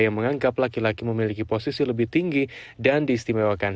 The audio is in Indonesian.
yang menganggap laki laki memiliki posisi lebih tinggi dan diistimewakan